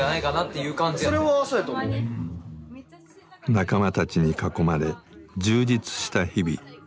仲間たちに囲まれ充実した日々。